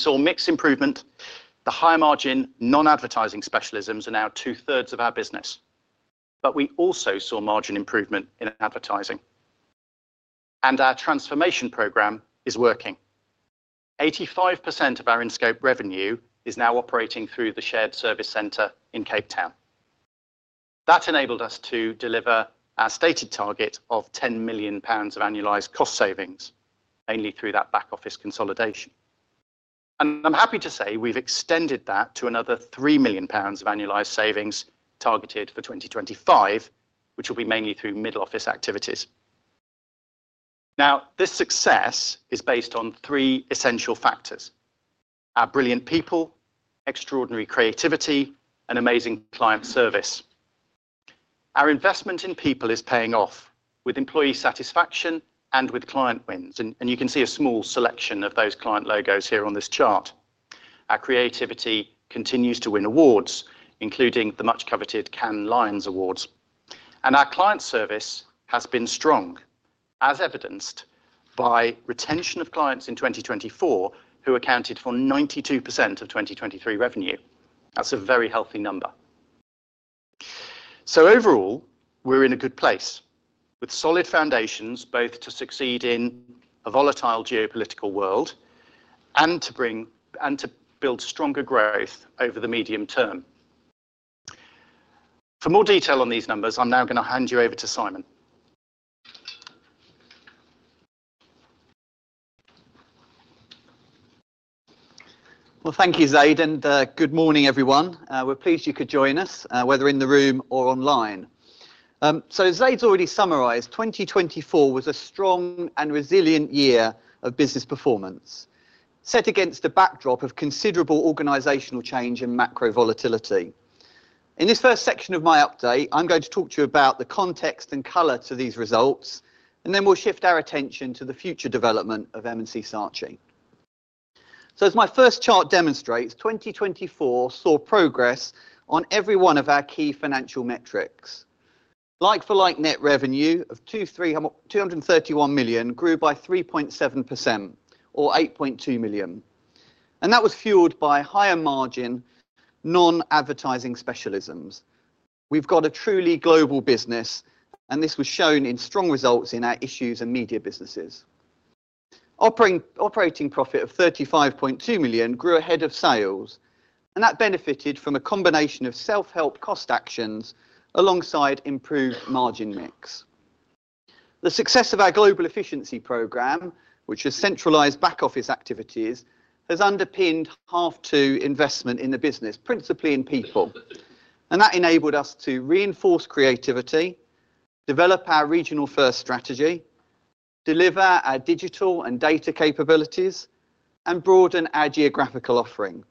Saw mixed improvement. The high-margin, non-advertising specialisms are now two-thirds of our business. We also saw margin improvement in advertising. Our transformation program is working. 85% of our in-scope revenue is now operating through the shared service centre in Cape Town. That enabled us to deliver our stated target of 10 million pounds of annualized cost savings, mainly through that back-office consolidation. I'm happy to say we've extended that to another 3 million pounds of annualized savings targeted for 2025, which will be mainly through middle-office activities. This success is based on three essential factors: our brilliant people, extraordinary creativity, and amazing client service. Our investment in people is paying off, with employee satisfaction and with client wins. You can see a small selection of those client logos here on this chart. Our creativity continues to win awards, including the much-coveted Cannes Lions Awards. Our client service has been strong, as evidenced by retention of clients in 2024, who accounted for 92% of 2023 revenue. That's a very healthy number. Overall, we're in a good place, with solid foundations both to succeed in a volatile geopolitical world and to build stronger growth over the medium term. For more detail on these numbers, I'm now going to hand you over to Simon. Thank you, Zaid. Good morning, everyone. We're pleased you could join us, whether in the room or online. Zaid's already summarised: 2024 was a strong and resilient year of business performance, set against a backdrop of considerable organizational change and macro volatility. In this first section of my update, I'm going to talk to you about the context and color to these results, and then we'll shift our attention to the future development of M+C Saatchi. As my first chart demonstrates, 2024 saw progress on every one of our key financial metrics. Like-for-like net revenue of 231 million grew by 3.7%, or 8.2 million. That was fueled by higher-margin, non-advertising specialisms. We've got a truly global business, and this was shown in strong results in our Issues and Media businesses. Operating profit of 35.2 million grew ahead of sales, and that benefited from a combination of self-help cost actions alongside improved margin mix. The success of our global efficiency program, which has centralized back-office activities, has underpinned half two investment in the business, principally in people. That enabled us to reinforce creativity, develop our regional-first strategy, deliver our digital and data capabilities, and broaden our geographical offering.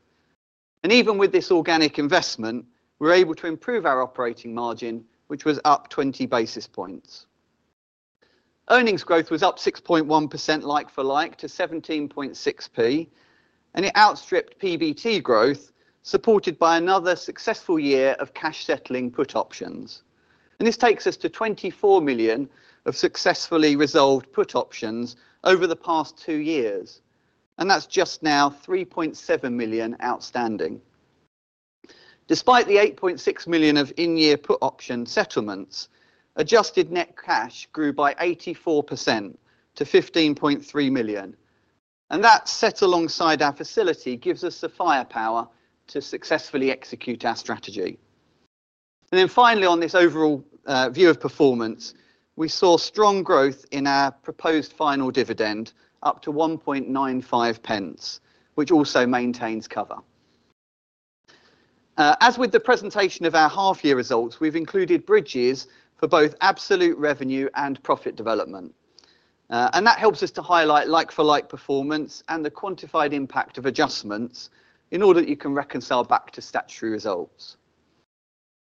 Even with this organic investment, we were able to improve our operating margin, which was up 20 basis points. Earnings growth was up 6.1% like-for-like to 17.6P, and it outstripped PBT growth, supported by another successful year of cash-settling put options. This takes us to 24 million of successfully resolved put options over the past two years. That is just now 3.7 million outstanding. Despite the 8.6 million of in-year put option settlements, adjusted net cash grew by 84% to 15.3 million. That, set alongside our facility, gives us the firepower to successfully execute our strategy. Finally, on this overall view of performance, we saw strong growth in our proposed final dividend, up to 1.95, which also maintains cover. As with the presentation of our half-year results, we have included bridges for both absolute revenue and profit development. That helps us to highlight like-for-like performance and the quantified impact of adjustments in order that you can reconcile back to statutory results.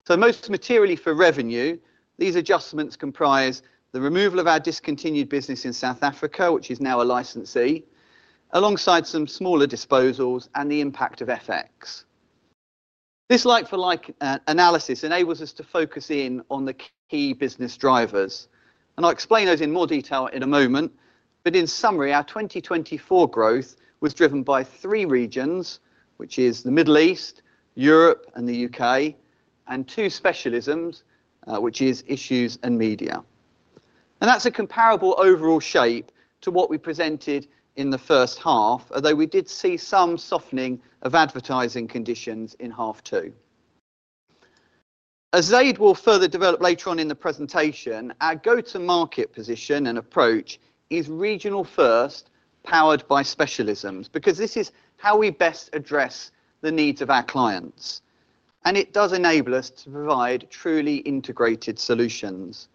Most materially for revenue, these adjustments comprise the removal of our discontinued business in South Africa, which is now a licensee, alongside some smaller disposals and the impact of FX. This like-for-like analysis enables us to focus in on the key business drivers. I'll explain those in more detail in a moment. In summary, our 2024 growth was driven by three regions, which are the Middle East, Europe, and the U.K., and two specialisms, which are Issues and Media. That's a comparable overall shape to what we presented in the first half, although we did see some softening of advertising conditions in half two. As Zaid will further develop later on in the presentation, our go-to-market position and approach is regional-first, powered by specialisms, because this is how we best address the needs of our clients. It does enable us to provide truly integrated solutions.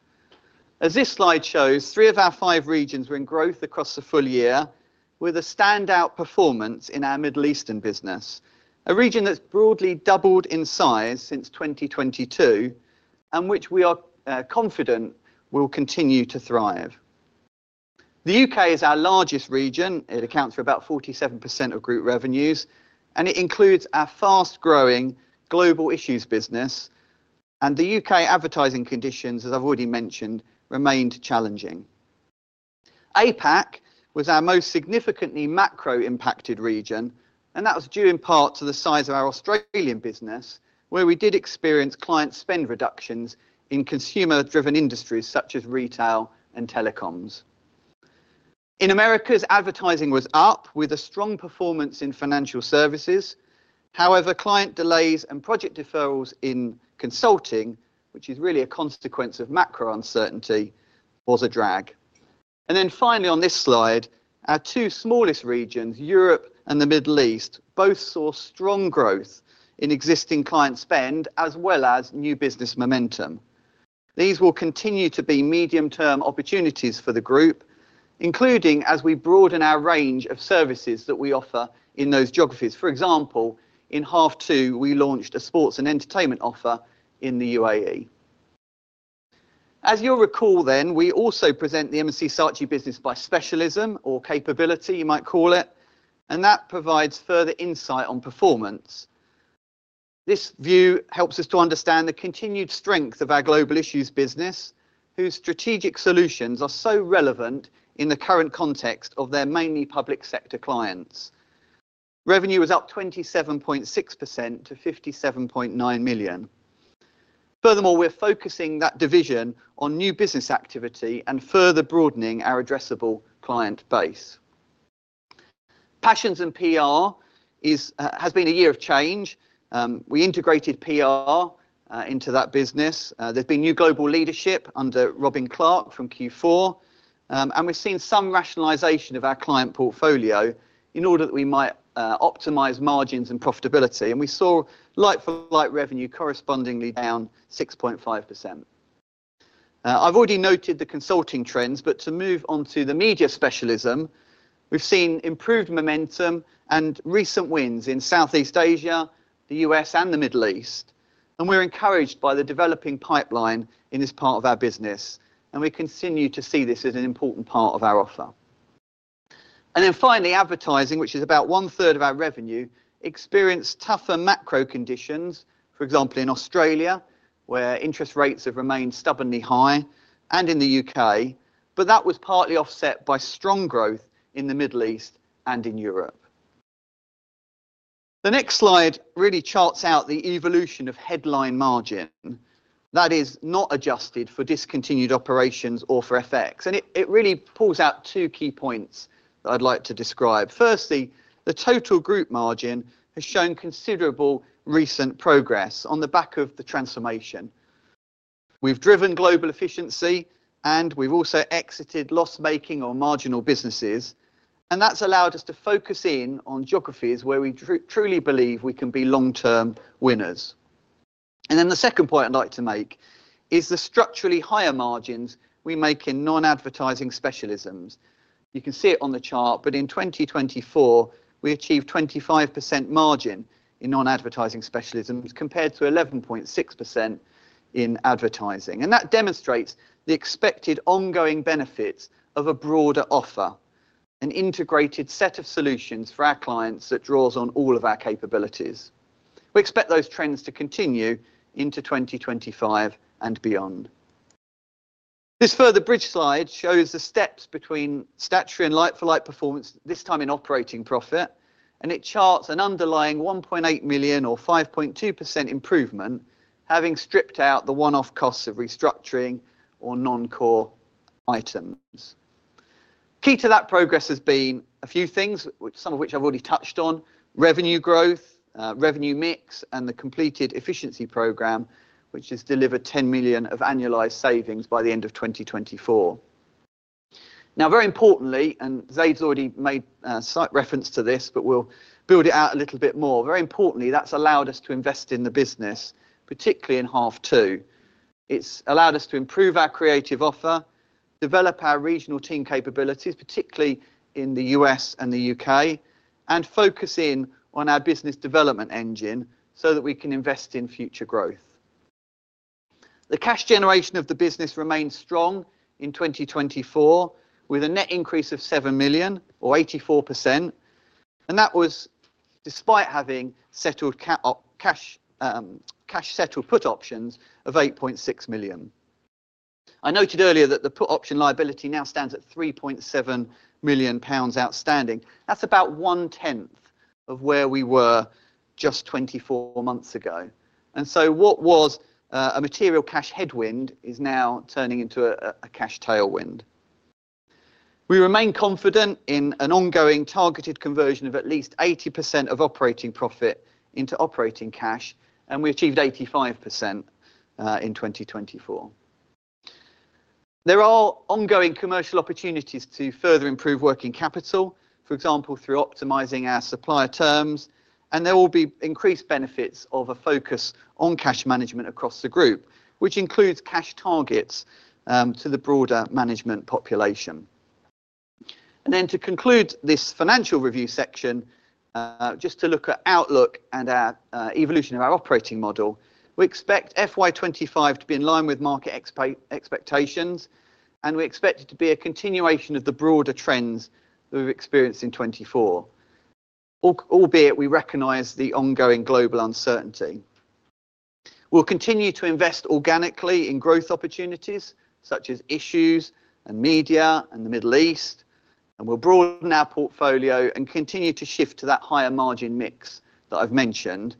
As this slide shows, three of our five regions were in growth across the full year, with a standout performance in our Middle Eastern business, a region that's broadly doubled in size since 2022, and which we are confident will continue to thrive. The U.K. is our largest region. It accounts for about 47% of group revenues, and it includes our fast-growing global Issues business. The U.K. advertising conditions, as I've already mentioned, remained challenging. APAC was our most significantly macro-impacted region, and that was due in part to the size of our Australian business, where we did experience client spend reductions in consumer-driven industries such as retail and telecoms. In the U.S., advertising was up, with a strong performance in financial services. However, client delays and project deferrals in consulting, which is really a consequence of macro uncertainty, was a drag. Finally, on this slide, our two smallest regions, Europe and the Middle East, both saw strong growth in existing client spend as well as new business momentum. These will continue to be medium-term opportunities for the group, including as we broaden our range of services that we offer in those geographies. For example, in half two, we launched a sports and entertainment offer in the UAE. As you'll recall then, we also present the M+C Saatchi business by specialism, or capability, you might call it, and that provides further insight on performance. This view helps us to understand the continued strength of our global Issues business, whose strategic solutions are so relevant in the current context of their mainly public sector clients. Revenue was up 27.6% to 57.9 million. Furthermore, we're focusing that division on new business activity and further broadening our addressable client base. Passions and PR has been a year of change. We integrated PR into that business. has been new global leadership under Robin Clarke from Q4, and we have seen some rationalization of our client portfolio in order that we might optimize margins and profitability. We saw like-for-like revenue correspondingly down 6.5%. I have already noted the consulting trends, but to move on to the media specialism, we have seen improved momentum and recent wins in Southeast Asia, the U.S., and the Middle East. We are encouraged by the developing pipeline in this part of our business, and we continue to see this as an important part of our offer. Finally, advertising, which is about one-third of our revenue, experienced tougher macro conditions, for example, in Australia, where interest rates have remained stubbornly high, and in the U.K., but that was partly offset by strong growth in the Middle East and in Europe. The next slide really charts out the evolution of headline margin that is not adjusted for discontinued operations or for FX. It really pulls out two key points that I'd like to describe. Firstly, the total group margin has shown considerable recent progress on the back of the transformation. We've driven global efficiency, and we've also exited loss-making or marginal businesses, and that's allowed us to focus in on geographies where we truly believe we can be long-term winners. The second point I'd like to make is the structurally higher margins we make in non-advertising specialisms. You can see it on the chart, but in 2024, we achieved 25% margin in non-advertising specialisms compared to 11.6% in advertising. That demonstrates the expected ongoing benefits of a broader offer, an integrated set of solutions for our clients that draws on all of our capabilities. We expect those trends to continue into 2025 and beyond. This further bridge slide shows the steps between statutory and like-for-like performance, this time in operating profit, and it charts an underlying 1.8 million, or 5.2%, improvement, having stripped out the one-off costs of restructuring or non-core items. Key to that progress has been a few things, some of which I've already touched on: revenue growth, revenue mix, and the completed efficiency program, which has delivered 10 million of annualized savings by the end of 2024. Now, very importantly, and Zaid's already made slight reference to this, but we'll build it out a little bit more. Very importantly, that's allowed us to invest in the business, particularly in half two. It's allowed us to improve our creative offer, develop our regional team capabilities, particularly in the U.S. and the U.K., and focus in on our business development engine so that we can invest in future growth. The cash generation of the business remained strong in 2024, with a net increase of 7 million, or 84%, and that was despite having cash-settled put options of 8.6 million. I noted earlier that the put option liability now stands at 3.7 million pounds outstanding. That's about one-tenth of where we were just 24 months ago. What was a material cash headwind is now turning into a cash tailwind. We remain confident in an ongoing targeted conversion of at least 80% of operating profit into operating cash, and we achieved 85% in 2024. There are ongoing commercial opportunities to further improve working capital, for example, through optimizing our supplier terms, and there will be increased benefits of a focus on cash management across the group, which includes cash targets to the broader management population. To conclude this financial review section, just to look at outlook and evolution of our operating model, we expect FY 2025 to be in line with market expectations, and we expect it to be a continuation of the broader trends that we've experienced in 2024, albeit we recognize the ongoing global uncertainty. We'll continue to invest organically in growth opportunities such as Issues and Media and the Middle East, and we'll broaden our portfolio and continue to shift to that higher margin mix that I've mentioned.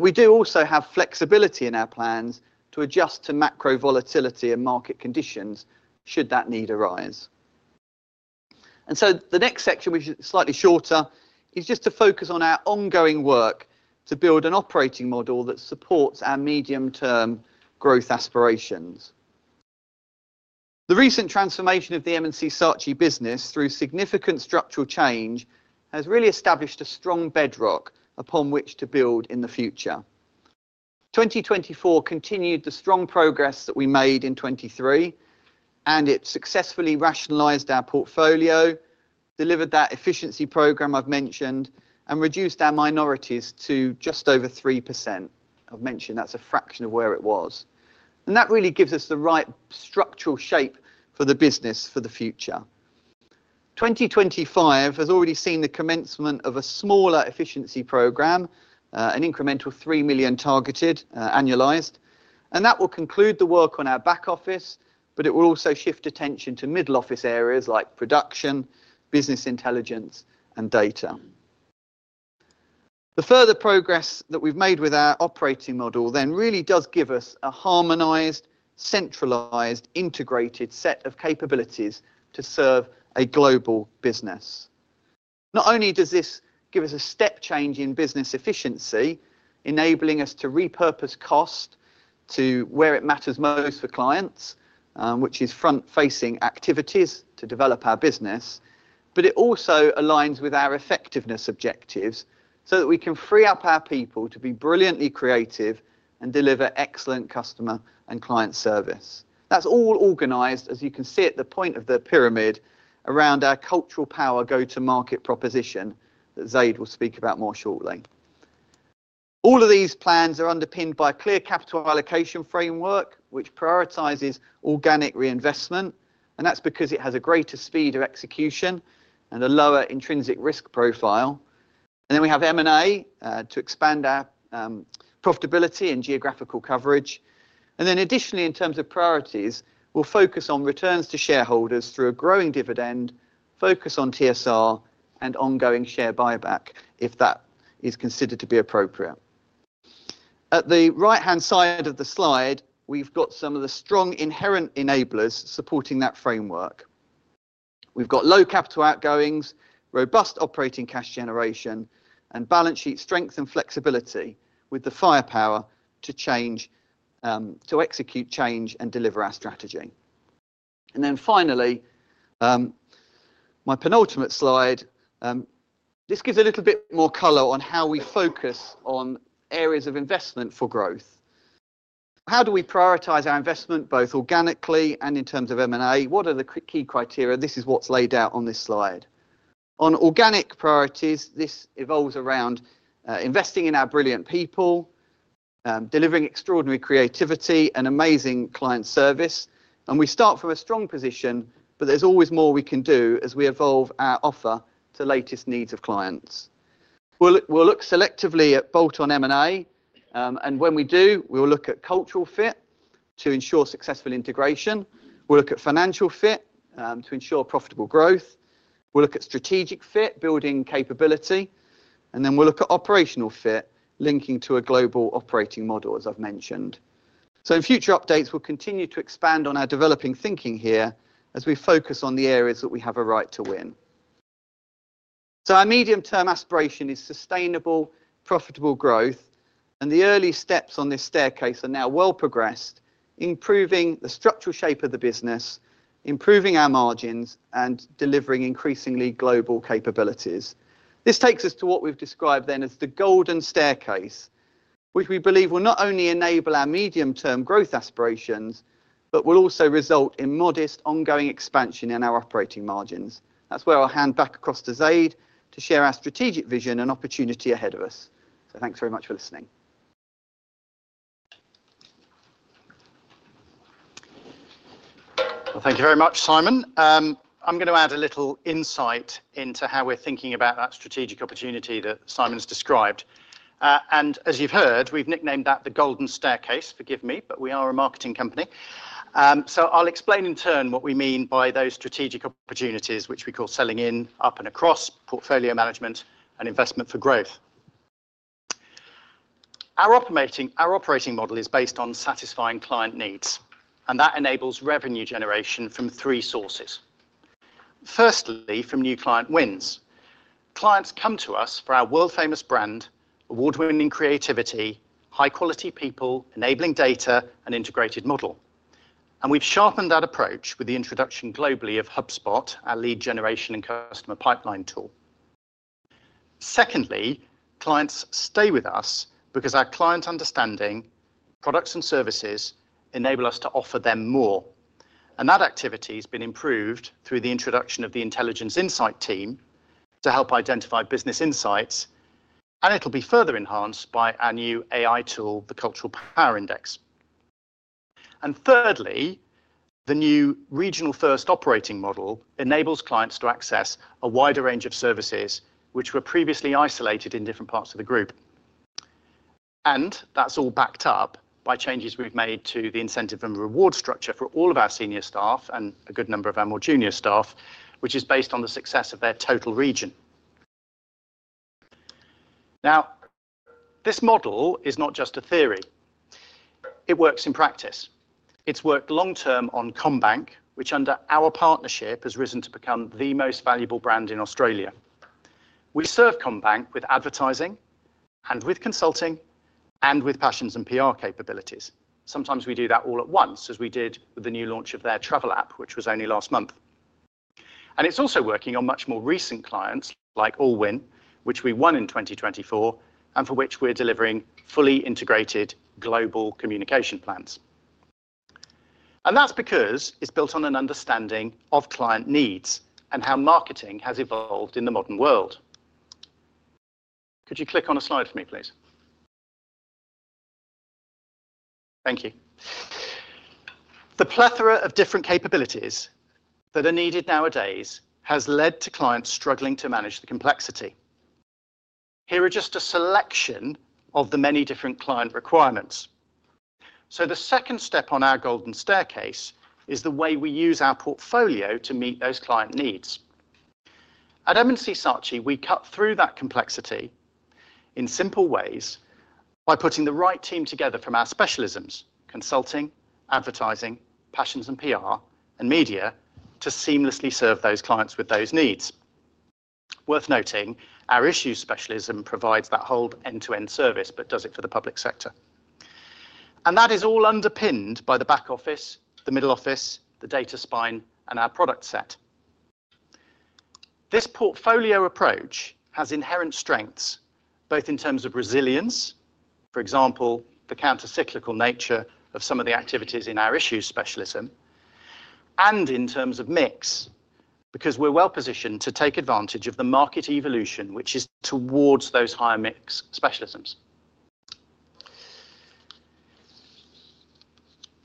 We do also have flexibility in our plans to adjust to macro volatility and market conditions should that need arise. The next section, which is slightly shorter, is just to focus on our ongoing work to build an operating model that supports our medium-term growth aspirations. The recent transformation of the M+C Saatchi business through significant structural change has really established a strong bedrock upon which to build in the future. 2024 continued the strong progress that we made in 2023, and it successfully rationalized our portfolio, delivered that efficiency program I've mentioned, and reduced our minorities to just over 3%. I've mentioned that's a fraction of where it was. That really gives us the right structural shape for the business for the future. 2025 has already seen the commencement of a smaller efficiency program, an incremental 3 million targeted, annualized, and that will conclude the work on our back office, but it will also shift attention to middle office areas like production, business intelligence, and data. The further progress that we've made with our operating model then really does give us a harmonized, centralized, integrated set of capabilities to serve a global business. Not only does this give us a step change in business efficiency, enabling us to repurpose cost to where it matters most for clients, which is front-facing activities to develop our business, but it also aligns with our effectiveness objectives so that we can free up our people to be brilliantly creative and deliver excellent customer and client service. That's all organized, as you can see at the point of the pyramid, around our cultural power go-to-market proposition that Zaid will speak about more shortly. All of these plans are underpinned by a clear capital allocation framework, which prioritizes organic reinvestment, and that's because it has a greater speed of execution and a lower intrinsic risk profile. We have M&A to expand our profitability and geographical coverage. Additionally, in terms of priorities, we will focus on returns to shareholders through a growing dividend, focus on TSR, and ongoing share buyback if that is considered to be appropriate. At the right-hand side of the slide, we have some of the strong inherent enablers supporting that framework. We have low capital outgoings, robust operating cash generation, and balance sheet strength and flexibility with the firepower to execute change and deliver our strategy. Finally, my penultimate slide gives a little bit more color on how we focus on areas of investment for growth. How do we prioritize our investment both organically and in terms of M&A? What are the key criteria? This is what is laid out on this slide. On organic priorities, this evolves around investing in our brilliant people, delivering extraordinary creativity and amazing client service, and we start from a strong position, but there's always more we can do as we evolve our offer to latest needs of clients. We'll look selectively at bolt-on M&A, and when we do, we'll look at cultural fit to ensure successful integration. We'll look at financial fit to ensure profitable growth. We'll look at strategic fit, building capability, and then we'll look at operational fit, linking to a global operating model, as I've mentioned. In future updates, we'll continue to expand on our developing thinking here as we focus on the areas that we have a right to win. Our medium-term aspiration is sustainable, profitable growth, and the early steps on this staircase are now well progressed, improving the structural shape of the business, improving our margins, and delivering increasingly global capabilities. This takes us to what we've described then as the golden staircase, which we believe will not only enable our medium-term growth aspirations, but will also result in modest ongoing expansion in our operating margins. That is where I'll hand back across to Zaid to share our strategic vision and opportunity ahead of us. Thanks very much for listening. Thank you very much, Simon. I'm going to add a little insight into how we're thinking about that strategic opportunity that Simon's described. As you've heard, we've nicknamed that the golden staircase, forgive me, but we are a marketing company. I'll explain in turn what we mean by those strategic opportunities, which we call selling in, up and across, portfolio management, and investment for growth. Our operating model is based on satisfying client needs, and that enables revenue generation from three sources. Firstly, from new client wins. Clients come to us for our world-famous brand, award-winning creativity, high-quality people, enabling data, and integrated model. We've sharpened that approach with the introduction globally of HubSpot, our lead generation and customer pipeline tool. Secondly, clients stay with us because our client understanding, products, and services enable us to offer them more. That activity has been improved through the introduction of the intelligence insight team to help identify business insights, and it'll be further enhanced by our new AI tool, the Cultural Power Index. Thirdly, the new regional-first operating model enables clients to access a wider range of services, which were previously isolated in different parts of the group. That is all backed up by changes we have made to the incentive and reward structure for all of our senior staff and a good number of our more junior staff, which is based on the success of their total region. This model is not just a theory. It works in practice. It has worked long-term on CommBank, which under our partnership has risen to become the most valuable brand in Australia. We serve CommBank with advertising, and with consulting, and with passions and PR capabilities. Sometimes we do that all at once, as we did with the new launch of their travel app, which was only last month. It is also working on much more recent clients like Allwyn, which we won in 2024, and for which we are delivering fully integrated global communication plans. That is because it is built on an understanding of client needs and how marketing has evolved in the modern world. Could you click on a slide for me, please? Thank you. The plethora of different capabilities that are needed nowadays has led to clients struggling to manage the complexity. Here are just a selection of the many different client requirements. The second step on our golden staircase is the way we use our portfolio to meet those client needs. At M+C Saatchi, we cut through that complexity in simple ways by putting the right team together from our specialisms: Consulting, Advertising, Passions and PR, and Media to seamlessly serve those clients with those needs. Worth noting, our Issues specialism provides that whole end-to-end service, but does it for the public sector. That is all underpinned by the back office, the middle office, the data spine, and our product set. This portfolio approach has inherent strengths, both in terms of resilience, for example, the countercyclical nature of some of the activities in our Issues specialism, and in terms of mix, because we're well positioned to take advantage of the market evolution, which is towards those higher mix specialisms.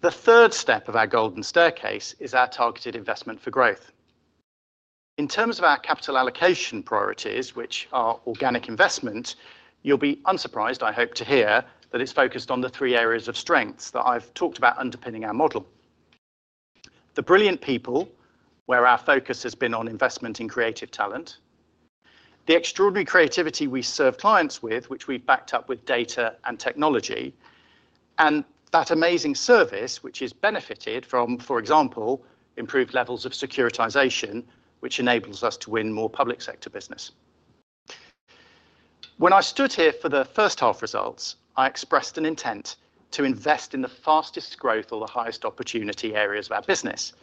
The third step of our golden staircase is our targeted investment for growth. In terms of our capital allocation priorities, which are organic investment, you'll be unsurprised, I hope, to hear that it's focused on the three areas of strengths that I've talked about underpinning our model. The brilliant people, where our focus has been on investment in creative talent, the extraordinary creativity we serve clients with, which we've backed up with data and technology, and that amazing service, which has benefited from, for example, improved levels of securitization, which enables us to win more public sector business. When I stood here for the first half results, I expressed an intent to invest in the fastest growth or the highest opportunity areas of our business.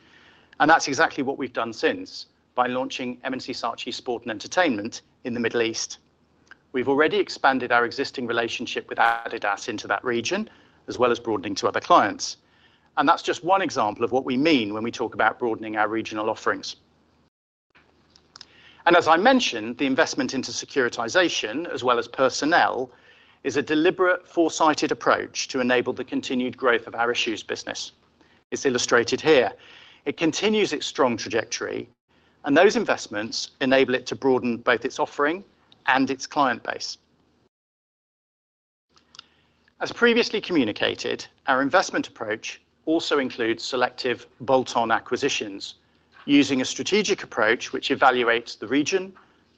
That is exactly what we've done since by launching M+C Saatchi Sport & Entertainment in the Middle East. We've already expanded our existing relationship with Adidas into that region, as well as broadening to other clients. That is just one example of what we mean when we talk about broadening our regional offerings. As I mentioned, the investment into securitization, as well as personnel, is a deliberate, foresighted approach to enable the continued growth of our Issues business. It is illustrated here. It continues its strong trajectory, and those investments enable it to broaden both its offering and its client base. As previously communicated, our investment approach also includes selective bolt-on acquisitions, using a strategic approach which evaluates the region,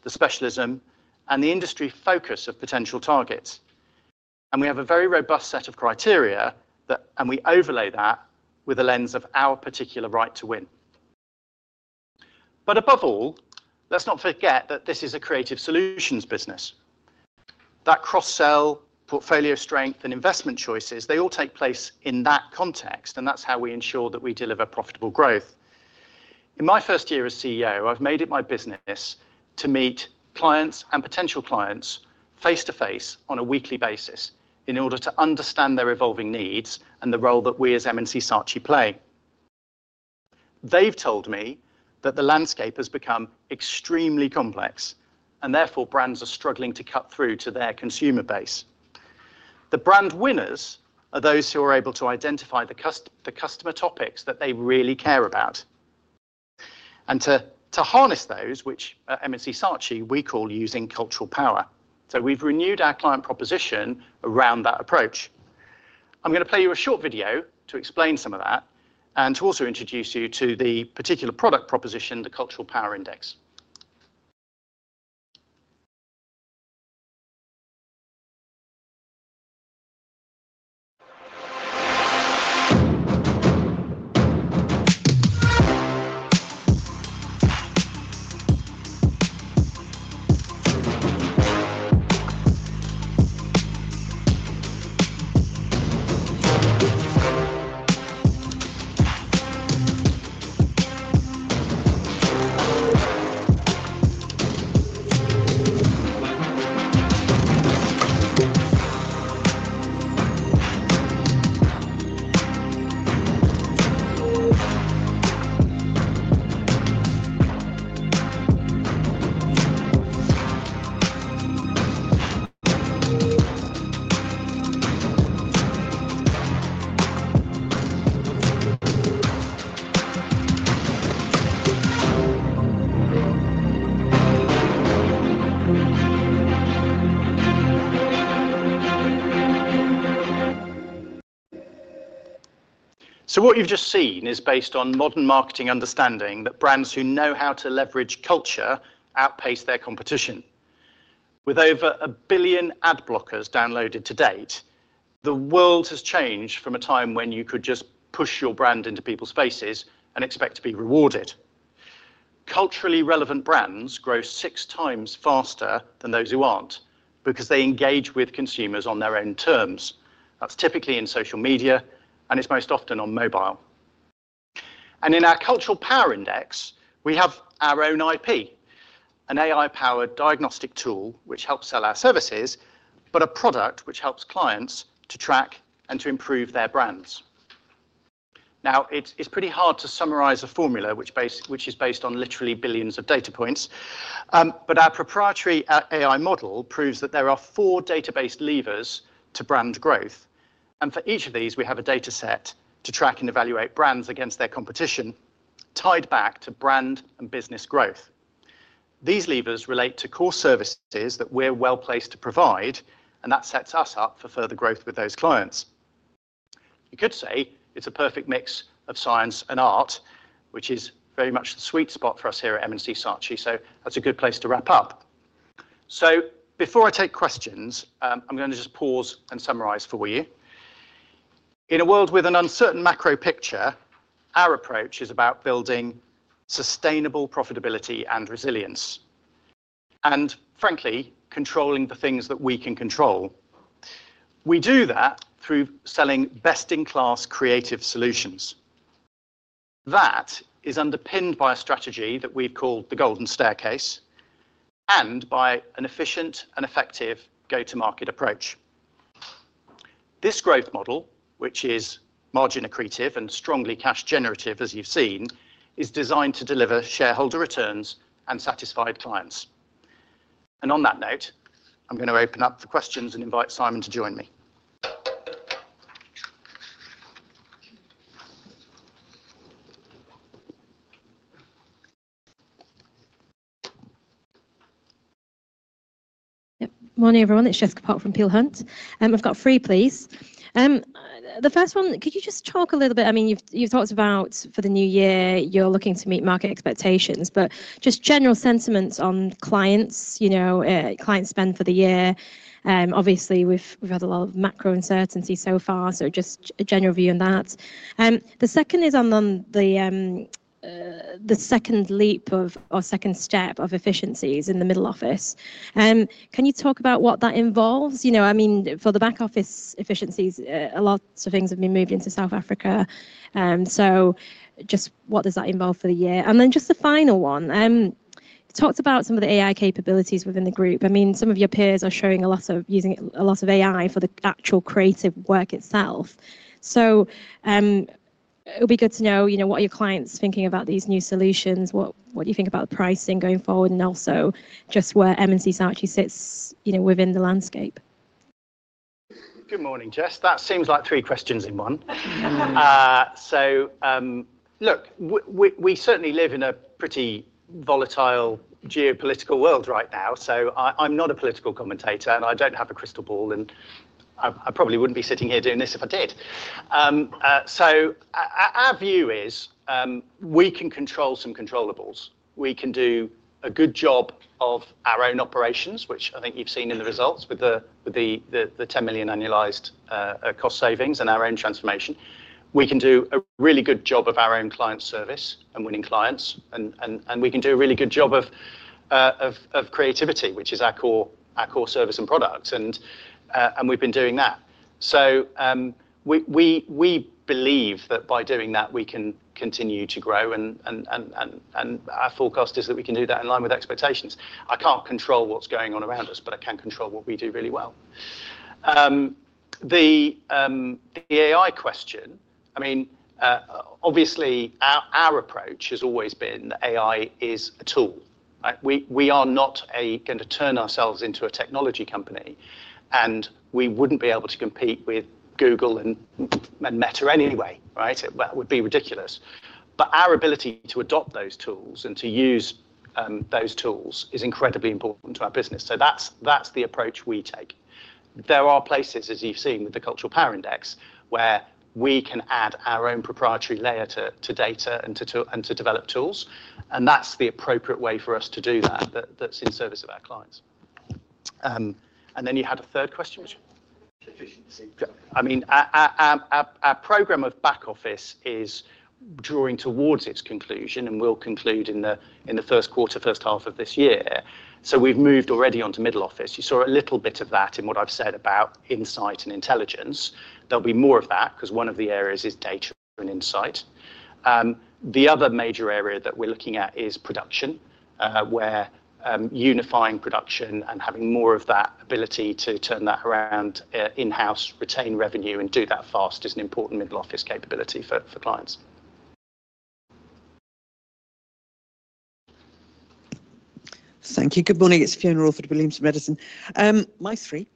the specialism, and the industry focus of potential targets. We have a very robust set of criteria, and we overlay that with a lens of our particular right to win. Above all, let's not forget that this is a creative solutions business. That cross-sell, portfolio strength, and investment choices, they all take place in that context, and that is how we ensure that we deliver profitable growth. In my first year as CEO, I've made it my business to meet clients and potential clients face-to-face on a weekly basis in order to understand their evolving needs and the role that we as M+C Saatchi play. They've told me that the landscape has become extremely complex, and therefore brands are struggling to cut through to their consumer base. The brand winners are those who are able to identify the customer topics that they really care about, and to harness those, which at M+C Saatchi, we call using cultural power. We have renewed our client proposition around that approach. I'm going to play you a short video to explain some of that and to also introduce you to the particular product proposition, the Cultural Power Index. What you've just seen is based on modern marketing understanding that brands who know how to leverage culture outpace their competition. With over a billion ad blockers downloaded to date, the world has changed from a time when you could just push your brand into people's faces and expect to be rewarded. Culturally relevant brands grow six times faster than those who are not because they engage with consumers on their own terms. That is typically in social media, and it is most often on mobile. In our Cultural Power Index, we have our own IP, an AI-powered diagnostic tool which helps sell our services, but a product which helps clients to track and to improve their brands. Now, it is pretty hard to summarize a formula which is based on literally billions of data points, but our proprietary AI model proves that there are four database levers to brand growth. For each of these, we have a dataset to track and evaluate brands against their competition tied back to brand and business growth. These levers relate to core services that we are well placed to provide, and that sets us up for further growth with those clients. You could say it is a perfect mix of science and art, which is very much the sweet spot for us here at M+C Saatchi. That is a good place to wrap up. Before I take questions, I am going to just pause and summarize for you. In a world with an uncertain macro picture, our approach is about building sustainable profitability and resilience, and frankly, controlling the things that we can control. We do that through selling best-in-class creative solutions. That is underpinned by a strategy that we have called the Golden Staircase and by an efficient and effective go-to-market approach. This growth model, which is margin accretive and strongly cash generative, as you've seen, is designed to deliver shareholder returns and satisfied clients. On that note, I'm going to open up for questions and invite Simon to join me. Morning, everyone. It's Jessica Pok from Peel Hunt, and we've got three, please. The first one, could you just talk a little bit? I mean, you've talked about for the new year, you're looking to meet market expectations, but just general sentiments on clients, client spend for the year. Obviously, we've had a lot of macro uncertainty so far, just a general view on that. The second is on the second leap of our second step of efficiencies in the middle office. Can you talk about what that involves? I mean, for the back office efficiencies, a lot of things have been moved into South Africa. Just what does that involve for the year? The final one, talked about some of the AI capabilities within the group. I mean, some of your peers are showing a lot of using a lot of AI for the actual creative work itself. It would be good to know what your client's thinking about these new solutions, what do you think about the pricing going forward, and also just where M+C Saatchi sits within the landscape. Good morning, Jess. That seems like three questions in one. Look, we certainly live in a pretty volatile geopolitical world right now. I'm not a political commentator, and I don't have a crystal ball, and I probably wouldn't be sitting here doing this if I did. Our view is we can control some controllables, we can do a good job of our own operations, which I think you've seen in the results with the 10 million annualized cost savings and our own transformation. We can do a really good job of our own client service and winning clients, and we can do a really good job of creativity, which is our core service and product, and we've been doing that. We believe that by doing that, we can continue to grow, and our forecast is that we can do that in line with expectations. I can't control what's going on around us, but I can control what we do really well. The AI question, I mean, obviously, our approach has always been that AI is a tool. We are not going to turn ourselves into a technology company, and we would not be able to compete with Google and Meta anyway, right? That would be ridiculous. Our ability to adopt those tools and to use those tools is incredibly important to our business. That is the approach we take. There are places, as you have seen with the Cultural Power Index, where we can add our own proprietary layer to data and to develop tools, and that is the appropriate way for us to do that, that is in service of our clients. You had a third question, which is efficiency. I mean, our program of back office is drawing towards its conclusion, and will conclude in the first quarter, first half of this year. We have moved already onto middle office. You saw a little bit of that in what I have said about insight and intelligence. There'll be more of that because one of the areas is data and insight. The other major area that we're looking at is production, where unifying production and having more of that ability to turn that around in-house, retain revenue, and do that fast is an important middle office capability for clients. Thank you. Good morning. My three.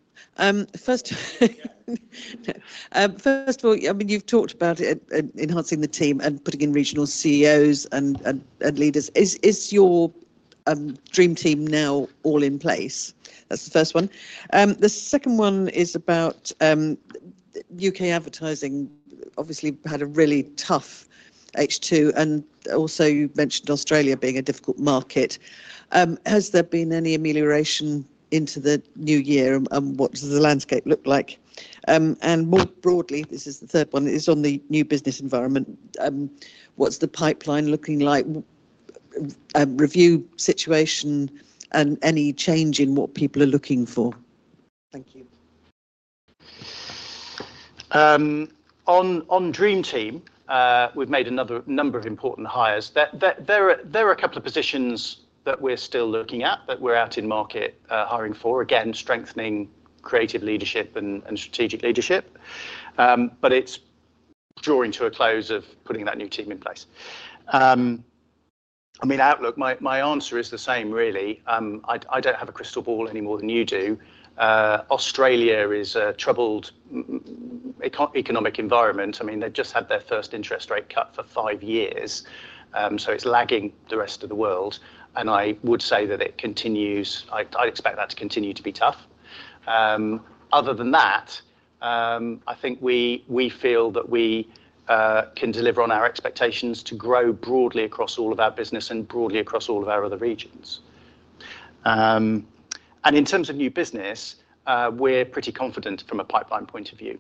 First of all, I mean, you've talked about enhancing the team and putting in regional CEOs and leaders. Is your dream team now all in place? That's the first one. The second one is about U.K. advertising, obviously had a really tough H2, and also you mentioned Australia being a difficult market. Has there been any amelioration into the new year, and what does the landscape look like? More broadly, this is the third one, is on the new business environment. What's the pipeline looking like? Review situation and any change in what people are looking for? Thank you. On dream team, we've made a number of important hires. There are a couple of positions that we're still looking at that we're out in market hiring for, again, strengthening creative leadership and strategic leadership, but it's drawing to a close of putting that new team in place. I mean, outlook, my answer is the same, really. I don't have a crystal ball any more than you do. Australia is a troubled economic environment. I mean, they've just had their first interest rate cut for five years, so it's lagging the rest of the world. I would say that it continues. I'd expect that to continue to be tough. Other than that, I think we feel that we can deliver on our expectations to grow broadly across all of our business and broadly across all of our other regions. In terms of new business, we're pretty confident from a pipeline point of view.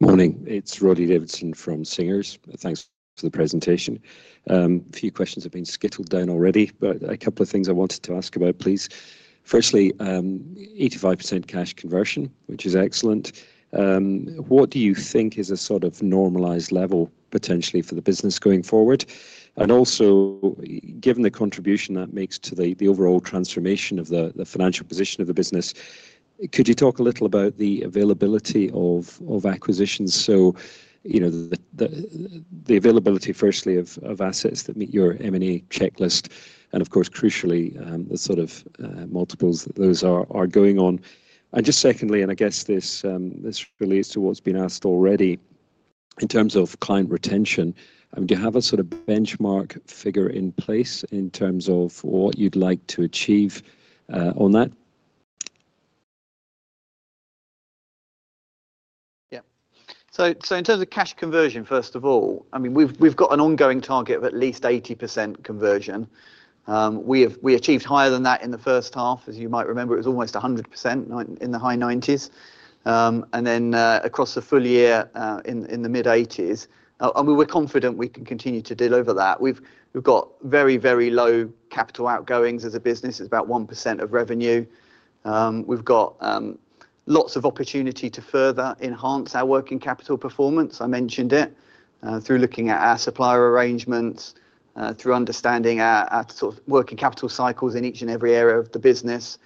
Morning. It's Roddy Davidson from Singers. Thanks for the presentation. A few questions have been skittled down already, but a couple of things I wanted to ask about, please. Firstly, 85% cash conversion, which is excellent. What do you think is a sort of normalised level potentially for the business going forward? Also, given the contribution that makes to the overall transformation of the financial position of the business, could you talk a little about the availability of acquisitions? The availability, firstly, of assets that meet your M&A checklist, and of course, crucially, the sort of multiples that those are going on. Just secondly, and I guess this relates to what's been asked already, in terms of client retention, do you have a sort of benchmark figure in place in terms of what you'd like to achieve on that? Yeah. In terms of cash conversion, first of all, I mean, we've got an ongoing target of at least 80% conversion. We achieved higher than that in the first half. As you might remember, it was almost 100% in the high 90s. Across the full year in the mid-80s, we're confident we can continue to deliver that. We've got very, very low capital outgoings as a business. It's about 1% of revenue. We've got lots of opportunity to further enhance our working capital performance. I mentioned it through looking at our supplier arrangements, through understanding our working capital cycles in each and every area of the business.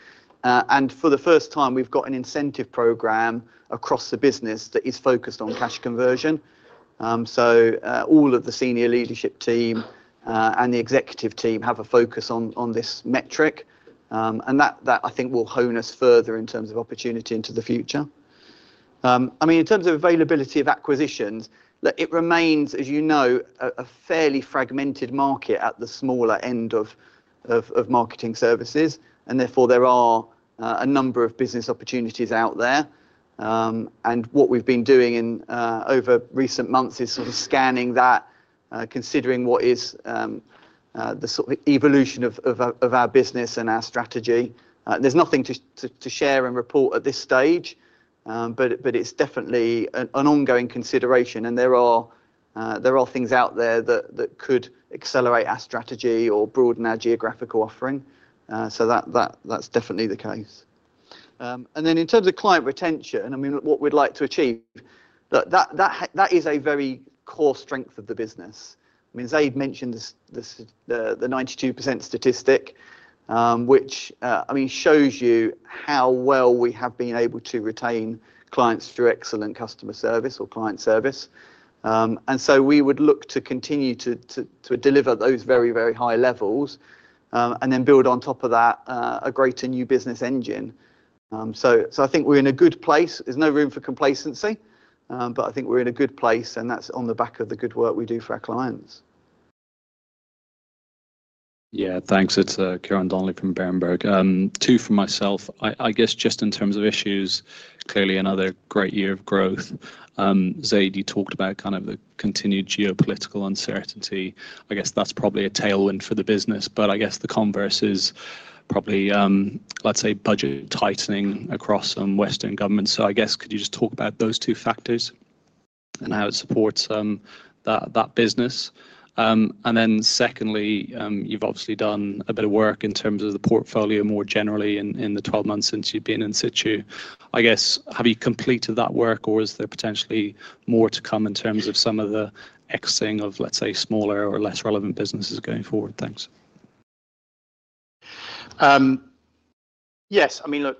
For the first time, we've got an incentive program across the business that is focused on cash conversion. All of the senior leadership team and the executive team have a focus on this metric, and that, I think, will hone us further in terms of opportunity into the future. I mean, in terms of availability of acquisitions, it remains, as you know, a fairly fragmented market at the smaller end of marketing services, and therefore, there are a number of business opportunities out there. What we've been doing over recent months is sort of scanning that, considering what is the sort of evolution of our business and our strategy. There's nothing to share and report at this stage, but it's definitely an ongoing consideration, and there are things out there that could accelerate our strategy or broaden our geographical offering. That's definitely the case. In terms of client retention, what we'd like to achieve, that is a very core strength of the business. Zaid mentioned the 92% statistic, which shows you how well we have been able to retain clients through excellent customer service or client service. We would look to continue to deliver those very, very high levels and then build on top of that a greater new business engine. I think we're in a good place. There's no room for complacency, but I think we're in a good place, and that's on the back of the good work we do for our clients. Yeah. Thanks. It's Ciarán Donnelly from Berenberg. Two for myself. I guess just in terms of issues, clearly another great year of growth. Zaid, you talked about kind of the continued geopolitical uncertainty. I guess that's probably a tailwind for the business, but I guess the converse is probably, let's say, budget tightening across some Western governments. Could you just talk about those two factors and how it supports that business? Secondly, you've obviously done a bit of work in terms of the portfolio more generally in the 12 months since you've been in situ. I guess, have you completed that work, or is there potentially more to come in terms of some of the X-ing of, let's say, smaller or less relevant businesses going forward? Thanks. Yes. I mean, look,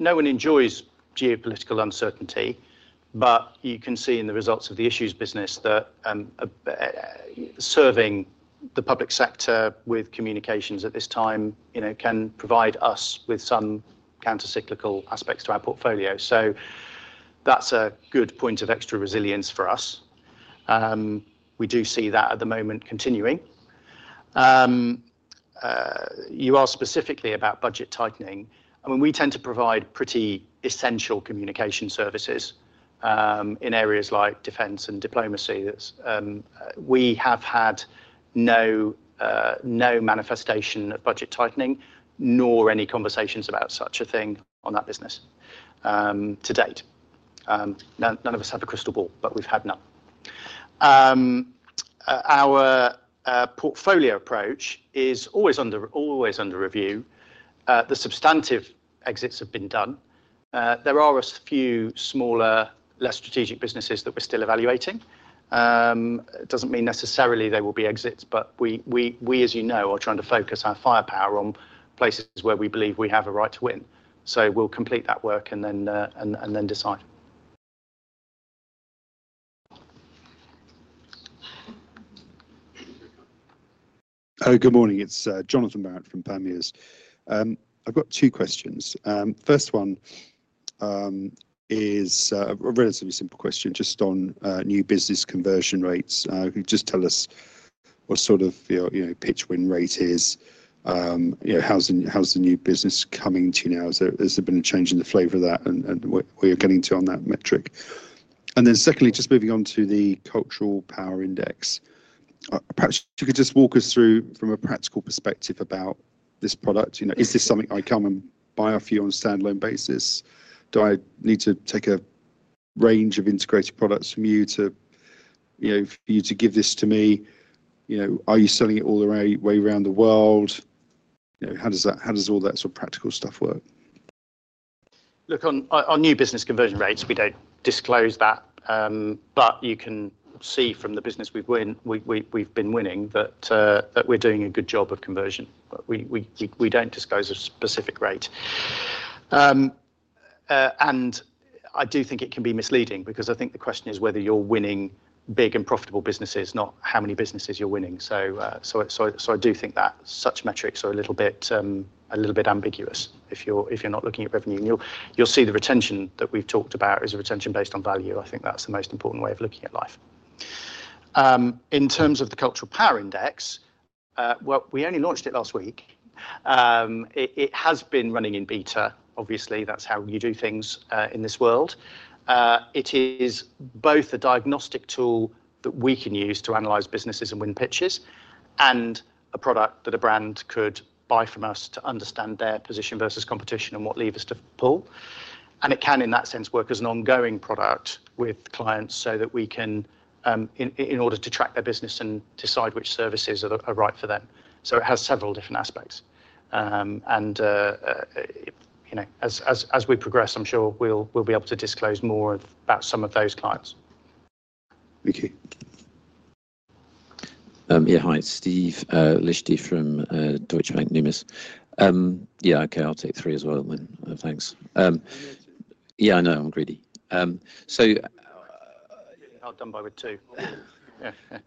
no one enjoys geopolitical uncertainty, but you can see in the results of the Issues business that serving the public sector with communications at this time can provide us with some countercyclical aspects to our portfolio. That's a good point of extra resilience for us. We do see that at the moment continuing. You asked specifically about budget tightening. I mean, we tend to provide pretty essential communication services in areas like defense and diplomacy. We have had no manifestation of budget tightening, nor any conversations about such a thing on that business to date. None of us have a crystal ball, but we've had none. Our portfolio approach is always under review. The substantive exits have been done. There are a few smaller, less strategic businesses that we're still evaluating. It does not mean necessarily there will be exits, but we, as you know, are trying to focus our firepower on places where we believe we have a right to win. We will complete that work and then decide. Good morning. It is Jonathan Barrett from Panmure. I have got two questions. First one is a relatively simple question just on new business conversion rates. Just tell us what sort of your pitch win rate is. How's the new business coming to you now? Has there been a change in the flavour of that, and what you're getting to on that metric? Secondly, just moving on to the Cultural Power Index, perhaps you could just walk us through from a practical perspective about this product. Is this something I come and buy off you on a standalone basis? Do I need to take a range of integrated products from you for you to give this to me? Are you selling it all the way around the world? How does all that sort of practical stuff work? Look, on new business conversion rates, we don't disclose that, but you can see from the business we've been winning that we're doing a good job of conversion. We don't disclose a specific rate. I do think it can be misleading because I think the question is whether you're winning big and profitable businesses, not how many businesses you're winning. I do think that such metrics are a little bit ambiguous if you're not looking at revenue. You'll see the retention that we've talked about is a retention based on value. I think that's the most important way of looking at life. In terms of the Cultural Power Index, we only launched it last week. It has been running in beta. Obviously, that's how you do things in this world. It is both a diagnostic tool that we can use to analyze businesses and win pitches and a product that a brand could buy from us to understand their position versus competition and what levers to pull. It can, in that sense, work as an ongoing product with clients so that we can, in order to track their business and decide which services are right for them. It has several different aspects. As we progress, I'm sure we'll be able to disclose more about some of those clients. Okay. Yeah. Steve Liechti from Deutsche Bank. Yeah. Okay. I'll take three as well then. Thanks. Yeah. I know. I'm greedy. I'll be done by with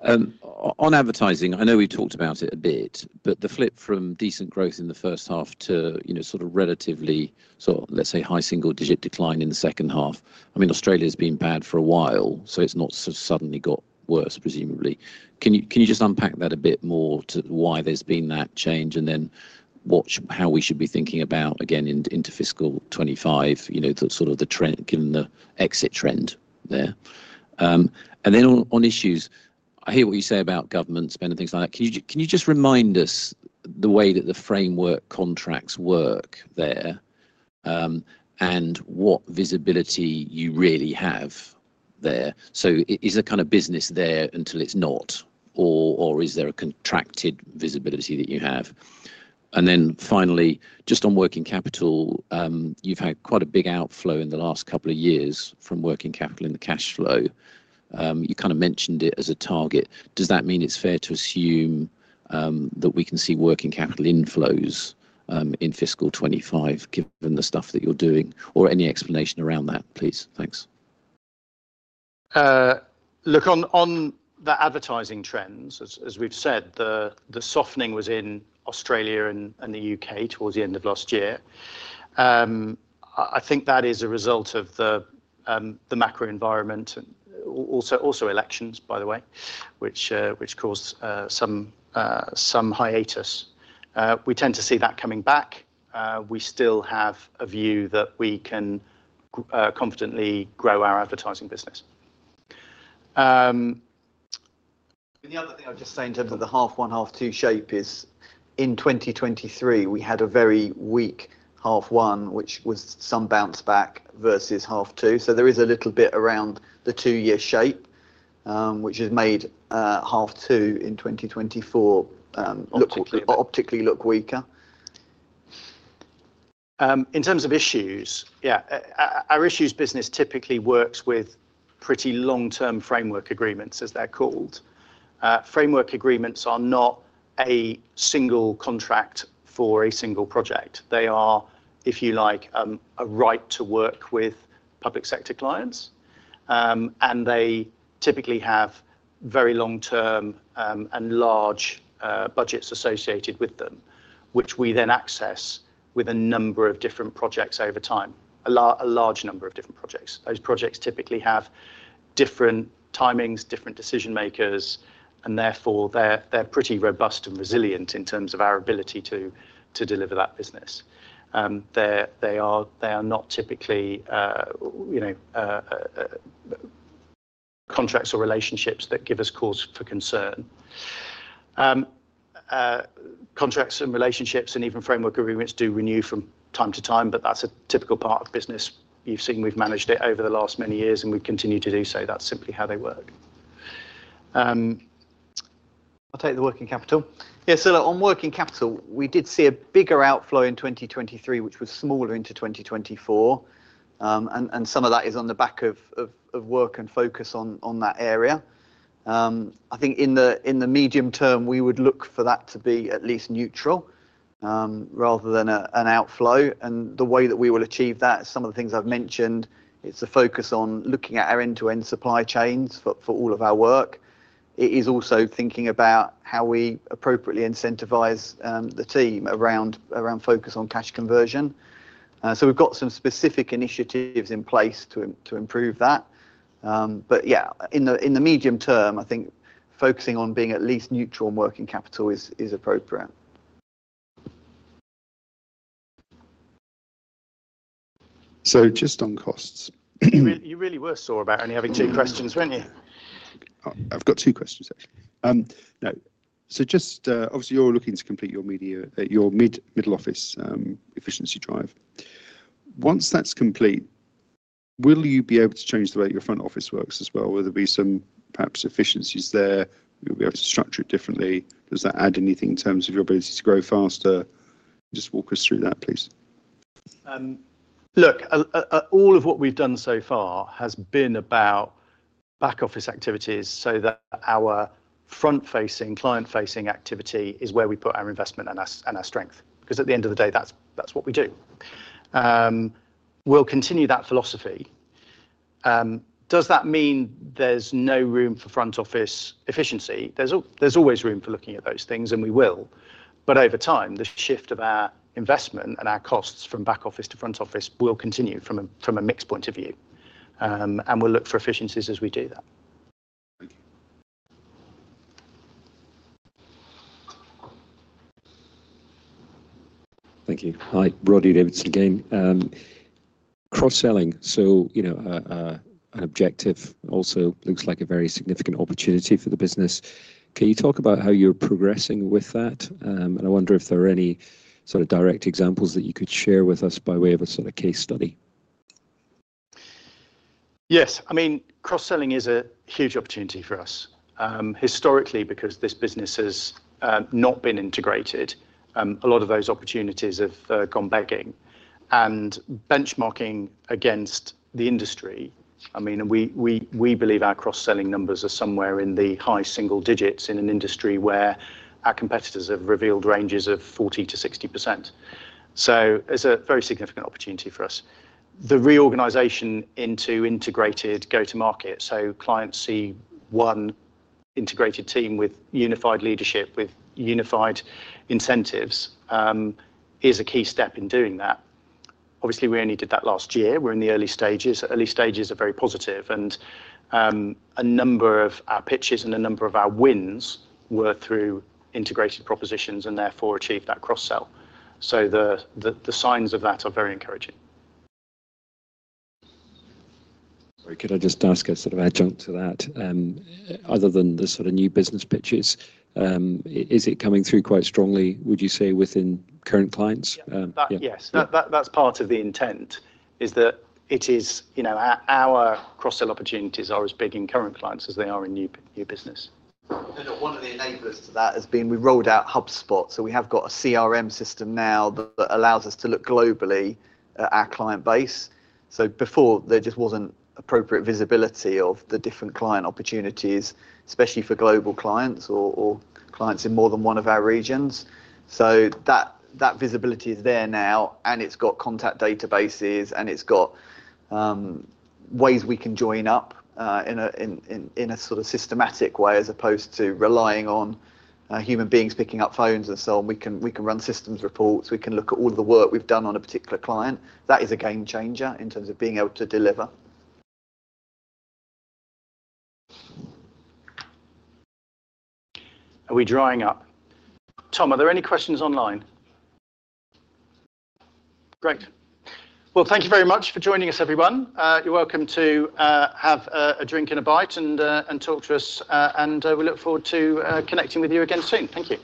two. On advertising, I know we've talked about it a bit, but the flip from decent growth in the first half to sort of relatively, let's say, high single-digit decline in the second half. I mean, Australia has been bad for a while, so it's not suddenly got worse, presumably. Can you just unpack that a bit more to why there's been that change and then how we should be thinking about, again, into fiscal 2025, sort of the trend, given the exit trend there? On issues, I hear what you say about government spend and things like that. Can you just remind us the way that the framework contracts work there and what visibility you really have there? Is there kind of business there until it's not, or is there a contracted visibility that you have? Finally, just on working capital, you've had quite a big outflow in the last couple of years from working capital in the cash flow. You kind of mentioned it as a target. Does that mean it's fair to assume that we can see working capital inflows in fiscal 2025 given the stuff that you're doing? Any explanation around that, please? Thanks. Look, on the advertising trends, as we've said, the softening was in Australia and the U.K. towards the end of last year. I think that is a result of the macro environment, also elections, by the way, which caused some hiatus. We tend to see that coming back. We still have a view that we can confidently grow our advertising business. The other thing I'll just say in terms of the half one, half two shape is in 2023, we had a very weak half one, which was some bounce back versus half two. There is a little bit around the two-year shape, which has made half two in 2024 optically look weaker. In terms of Issues, yeah, our Issues business typically works with pretty long-term framework agreements, as they're called. Framework agreements are not a single contract for a single project. They are, if you like, a right to work with public sector clients, and they typically have very long-term and large budgets associated with them, which we then access with a number of different projects over time, a large number of different projects. Those projects typically have different timings, different decision makers, and therefore, they're pretty robust and resilient in terms of our ability to deliver that business. They are not typically contracts or relationships that give us cause for concern. Contracts and relationships and even framework agreements do renew from time to time, but that's a typical part of business. You've seen we've managed it over the last many years, and we continue to do so. That's simply how they work. I'll take the working capital. Yeah. On working capital, we did see a bigger outflow in 2023, which was smaller into 2024, and some of that is on the back of work and focus on that area. I think in the medium term, we would look for that to be at least neutral rather than an outflow. The way that we will achieve that is some of the things I've mentioned. It's a focus on looking at our end-to-end supply chains for all of our work. It is also thinking about how we appropriately incentivize the team around focus on cash conversion. We've got some specific initiatives in place to improve that. Yeah, in the medium term, I think focusing on being at least neutral on working capital is appropriate. Just on costs. You really were sore about only having two questions, weren't you? I've got two questions, actually. No. Obviously, you're looking to complete your middle office efficiency drive. Once that's complete, will you be able to change the way your front office works as well? Will there be some, perhaps, efficiencies there? Will you be able to structure it differently? Does that add anything in terms of your ability to grow faster? Just walk us through that, please. Look, all of what we've done so far has been about back office activities so that our front-facing, client-facing activity is where we put our investment and our strength because at the end of the day, that's what we do. We'll continue that philosophy. Does that mean there's no room for front office efficiency? There's always room for looking at those things, and we will. Over time, the shift of our investment and our costs from back office to front office will continue from a mixed point of view, and we'll look for efficiencies as we do that. Thank you. Hi. Roddy Davidson again. Cross-selling. An objective also looks like a very significant opportunity for the business. Can you talk about how you're progressing with that? I wonder if there are any sort of direct examples that you could share with us by way of a sort of case study. Yes. I mean, cross-selling is a huge opportunity for us. Historically, because this business has not been integrated, a lot of those opportunities have gone begging. Benchmarking against the industry, we believe our cross-selling numbers are somewhere in the high single digits in an industry where our competitors have revealed ranges of 40-60%. It is a very significant opportunity for us. The reorganization into integrated go-to-market, so clients see one integrated team with unified leadership, with unified incentives, is a key step in doing that. Obviously, we only did that last year. We are in the early stages. Early stages are very positive. A number of our pitches and a number of our wins were through integrated propositions and therefore achieved that cross-sell. The signs of that are very encouraging. Sorry. Could I just ask a sort of adjunct to that? Other than the sort of new business pitches, is it coming through quite strongly, would you say, within current clients? Yes. That is part of the intent, that our cross-sell opportunities are as big in current clients as they are in new business. One of the enablers to that has been we rolled out HubSpot. We have got a CRM system now that allows us to look globally at our client base. Before, there just was not appropriate visibility of the different client opportunities, especially for global clients or clients in more than one of our regions. That visibility is there now, and it has got contact databases, and it has got ways we can join up in a sort of systematic way as opposed to relying on human beings picking up phones and so on. We can run systems reports. We can look at all of the work we have done on a particular client. That is a game changer in terms of being able to deliver. Are we drying up? Tom, are there any questions online? Great. Thank you very much for joining us, everyone. You are welcome to have a drink and a bite and talk to us. We look forward to connecting with you again soon. Thank you.